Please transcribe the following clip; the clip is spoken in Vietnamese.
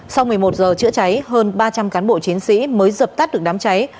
sau một mươi một giờ chữa cháy hơn ba trăm linh cán bộ chiến sĩ mới dập tắt được đám cháy